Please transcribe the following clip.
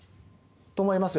と、思いますよ。